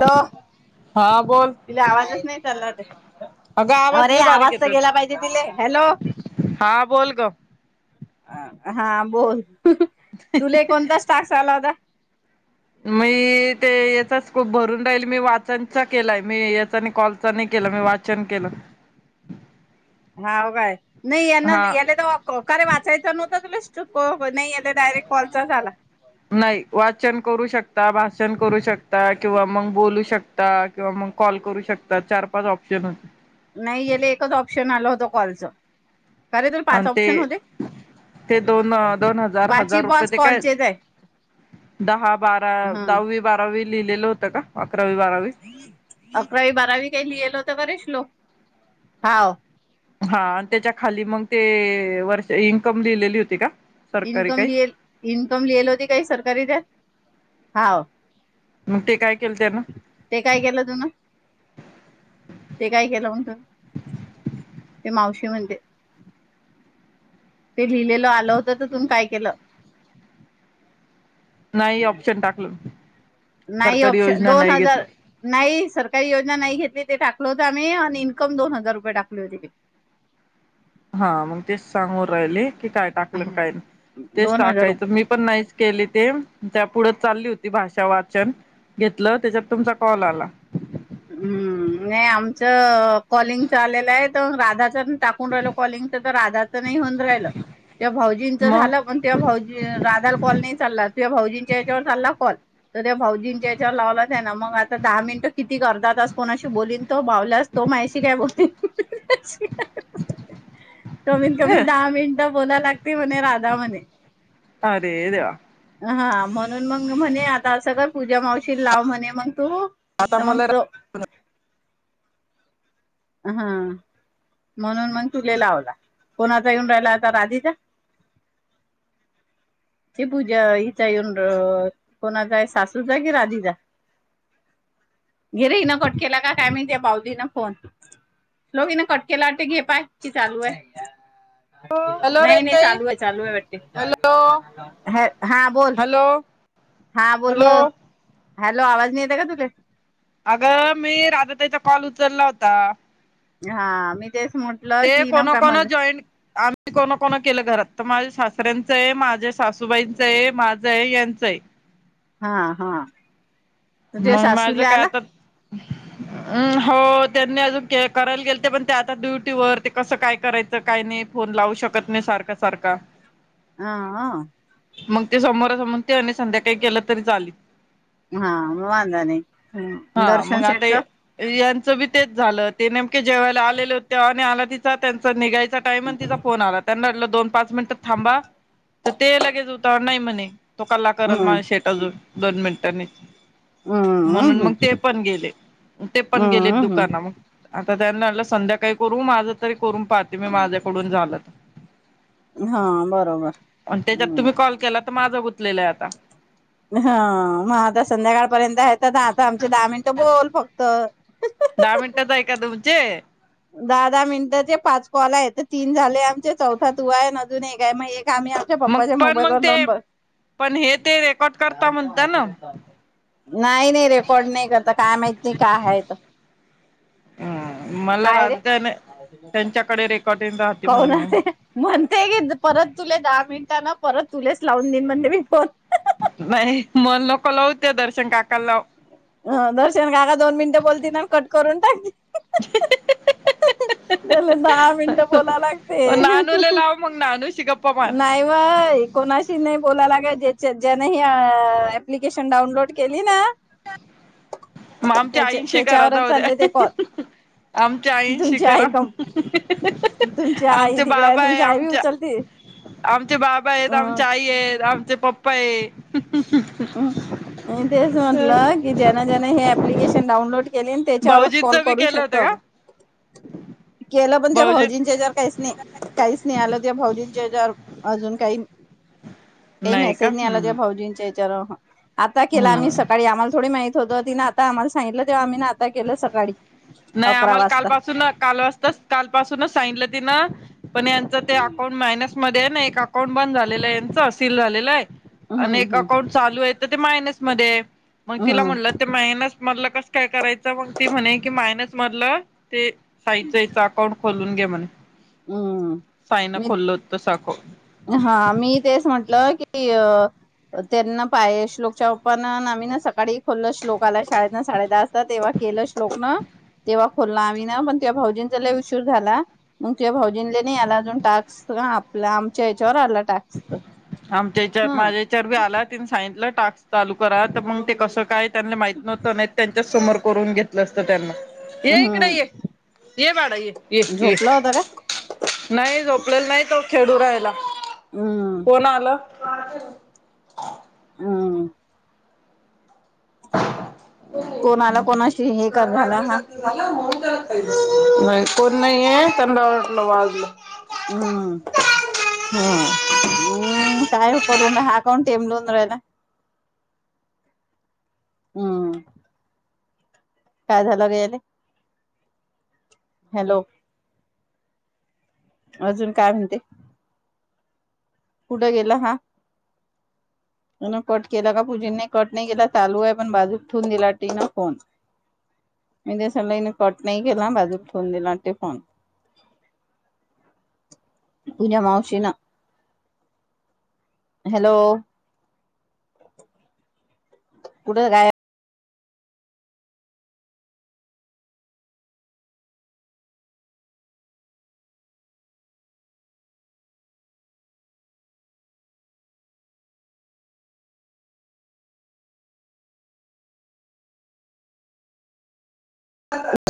त हा बोल तिला आवाजच नाही चालणार. [unintelligible] अगं अरे लय आवाज बारीक तर गेला येतोय पाहिजे तिले हॅलो हा बोल ग हा. बोल. ह ह तुले कोणता स्टाक्स आला होता. मी ते येचाच खूप भरून राहिल मी वाचनचा केलाय मी याचानी कॉलच नाही केला मी वाचन केलं. हा हो काय? नाही यांना हा याला तर काे वाचायचं नव्हतं तुला? चक हो नाही आ डायरेक्ट कॉलचा झाला. नाही वाचन करू शकता भाषण करू शकता किंवा मग बोलू शकता किंवा मग कॉल करू शकता चार पाच ऑप्शन होते. नाही येले एकच ऑप्शन आलं होत कॉलच. आणि ते ते दोन दोन हजार पाचही हजार रुपये पाच ते काय कॉलचेच आहे दहा बारा हा दहावी बारावी. लिलेल होत का. अकरावी बारावी अकरावी बारावी काही लिहिेल होत कारे श्लोक. हा. हा आणि त्याच्या खाली मग ते वर्ष इन्कम लिहिलेली होती का? सरकारी इन्कम काही लिल इन्कम लिहिल होती काही सरकारी त्यात. हाव. मग ते काय केलं त्यानं ते काय केलं तुन ते काय केलं म्हण तु ते मावशी म्हते. ते लिहिलेलं आलं होत ते तून काय केलं. नाही ऑप्शन टाकलं नाही सरकारी ऑप्शन योजना दोन नाही घेतली हजार नाही सरकारी योजना नाही घेतली ते टा टाकल होत आम्ही आणि इनकम दोन हजार रुपये टाकले होती ते. हा मग तेच सांगून राहिले. की काय टाकलं काय तेच दोन हजार टाकायचं रुपये मी पण नाहीच केली ते तया पुढं चालली होती भाषा वाचन घेतलं त्याच्यात तुमचा कॉल आला. हम्म नाही आमच कॉलिंगचा आलेलं आहे तर राधा जण टाकून राहिल कॉलिंग तर राधाच नाही होऊन राहिल तेव्हा भाऊजींचं झालं मग पण तेव्हा भाऊजी राधाला कॉल नाही चालला तया भाऊजींच्या याच्यावर चालला कॉल तर त्या भाऊजींच्या हिच्यावर लावला त्यानं मग आता दहा मिनिट किती ग अर्धा तास कोणाशी बोलीन तो बावल्यास तो मायशी काय बोलेल हि हि ह हि हि हि कमीत कमी दहा मिनिट होला लाग म्हणे राधा म्हणे अरे देवा - हा म्हणून मग म्हणे आता सगळं पूजा मावशीला लाव म्हणे मग तू आता तर मग मला तो हा म्हणून मग तुले लावला कोणाचा येऊन राहिला आता राधीचा कि पूजा हिचा येऊन कोणाचा सासूचा कि राधीचा गिर हन कट केला का काय मी त्या बाऊलीन फोन लोक हिन कट के लाटे घे पाय ची चालू आहे. हॅलो नाही नाही रेणुताई चालू आहे चालू आहे हॅलो वाट हा बोल हॅलो हा बोल व हॅलो हॅलो आवाज नाही येत का तुे अगं मी राधा त्याचा कॉल उचलला होता. हा मी तेच म्हटलं ते की न कोण का कोण मध जॉईन आम्ही कोण कोण केलं घरात तर माझे सास सासऱ्यांचं आहे माझ्या सासूबाईंचं आहे माझं आहे यांचंय हा हा तुह्या सासु ला आला. अ हो त्यांनी अजून करायला गेले ते पण ते आता ड्युटी वर ते कसं काय करायचं काय नाही फोन लावू शकत नाही सारख सारखा अ अ मग ते समोर समोर ते अने संध्याकाळी केलं तरी चालीन. हा म वांदा नाही, ह् दर्शन सेटच त्याचा बी तेच झालं ते नेमके जेवयला आलेले होते आणि आला तिचा त्यांच निघायच. त्या टाइम तिचा फोन आला त्यांना दोन पाच मिनिटात थांबा तर ते लगेच होत नाही म्हणे तो कल्ला कराल हम्म माझ शेट अजून दोन मिनिट त्यांनी म्हणून हम्म मग ते पण गेले ते पण गेले हम्म दुकाना मग आता त्यांना म्हणलं संध्याकाळी करू माझं तरी करून पाहते मी माझ्याकडून झालं तर हा बरोबर आणि त्याच्यात तुम्ही हम्म कॉल केला तर माझा गुत लेलंय आता हा मा आधा च संध्याकाळपर्यंत आहेत आता आमचे दहा मिनिटं बोल फक्त ते दहा दहा मिनिटचे पाच कॉल आहे तीन झाले आमचे चौथा तू आहे अजून एक आहे मग आम्ही आमच्या मग पप्पांच्या पण मोबाईल मग व ते लावून ब पण हे ते रेकॉर्ड करता थांब तुह्या म्हणता मावशी ना ला सांगतो. नाही नाही रेकॉर्ड नाही करत काय माहिती काय आहे त हम्म मला राजत त्यांच्याकडे रेकॉर्ड कोन आहे म्हणते की परत तुले दहा मिनट त्याना परत तुलेच लावून दिन म्हण मी फोन नाही मल नको लावु त्या दर्शन काका ला लाव ह दर्शन का का दोन मिनिटं बोलती ना कट करून टाकतीन त्याला दहा मिनटं बोला लागते. नानूला लाव मग नानूशी गप्पा मार नाही व कोणाशी नाही बोलायला, ज्याच्या की ज्याने हे अ एप्लीकेशन डाउनलोड केली ना, मग आमच्या त्याच्या आईनशी करा त्याच्यावरच जाउद्या चालले ह ते ह कॉल. ह आमच्या आईशी तुमची करा आई कम ह ह ह तुमची आई आमचे तिकड बाबा आहे तुमची आई बी आमच्या उचलते. आमचे बाबा आहेत, अ आमच्या आई आहेत. आमचे पप्पा आहे ह मी तेच म्हण ल की ज्याने ज्याने हे ॲप्लिकेशन डाऊन त्याने कॉल करू शकतो त्याच्यावरच भाऊजींच कॉल बी करू केलं होतं शकता का केलं पण ते भाऊजी भाऊजींच्या याच्यावर काहीच नाही, काहीच नाही आलं. भाऊजींच्या ह्याच्यावर अजून काही काही का मेसेज नाही आला त्या हम्म भाऊजींच्या ह्याच्या तेरा हा आता केला आम्ही हम्म सकाळी, आम्हाला थोडी माहित सगळं तिनं आम्हाला सांगीतलं तेव्हा आम्ही नाथ नाही आम्हाला काल पासून, काल वाजता, काल पाासूनच सांगीतलं तिनं पण यांचं ते अकाउंट मायनसमध्ये नाही एक अकाउंट बंद झालेलं आहे, यांच सील झालेलं आहे. आणि हम्म एक हम्म अकाउंट चालू आहे तर ते मायनसमध्ये आहे, मग तिला हम्म म्हणलं ते मायनस म्हणलं कसं काय करायचं? तर मग ती म्हणे की मायनस मधलं ते, आईच एक अकाउंट खोलून घे. म्हण हम्म मी, तसं अकाउंट हा मी तेच म्हंटलं की अ त्यांना पाय श्लोकच्या ओपन आम्ही ना सकाळी खोलल, श्लोक आला शाळेतन साडे दहाजता तेव्हा केलं श्लोकन, तेव्हा खोललं आम्ही ना पण तेव्हा भाऊजींचा लई उशीर झाला. मग तुझ्या भाऊजींचा नाही आला अजून टास्क आपला, आमच्या ह्याच्यावर आलाय. आमच्या याच्या, माझ्यायाच्यावर बी आला, तिने सांगितलं टाक. चालू करा, तर मग ते कसं काय? त्यांना माहित नव्हतं, नाहीतर समोर करून घेतलं असतं त्यांना. ये इकड ये, हम्म ये बाळा ये, ये ये झोपला होता का? नाही झो झोपलेला नाही तो, खेळू राहायला. हम्म कोण आलं? [unintelligible] हम्म [inaudible] हो कोणाला कोणाशी हे चार कर झाला वाजल हा अस झालं म्हणून नाही कोण नाहीये त्यांंना वाटल वाजल हम्म हम्म हम्म काय करून ना हाकून टेमलून रहायला. हम्म काय झाल रे याले? हॅलो अजून काय म्हणते. कुठं गेला हा कट केला का पूजीने कट नाही केला चालू आहे पण बाजूक ठेवून दिला ती ना फोन म सलाने कट नाही केला बाजूक ठेवून दिलाते फोन. तुझ्या मावशीन हॅलो कुठ गायप [inaudible]